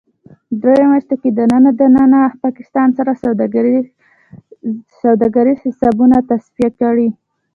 دریو میاشتو کې دننه ـ دننه پاکستان سره سوداګریز حسابونه تصفیه کړئ